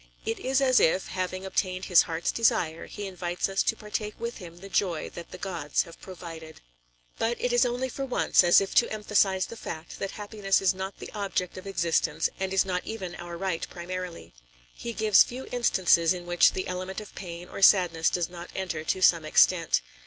It is as if, having obtained his heart's desire, he invites us to partake with him the joy that the gods have provided. But it is only for once, as if to emphasize the fact that happiness is not the object of existence and is not even our right primarily. He gives few instances in which the element of pain or sadness does not enter to some extent.